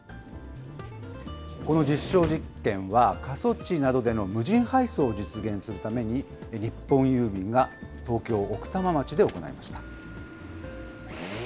この実証実験は、過疎地などでの無人配送を実現するために、日本郵便が東京・奥多摩町で行いました。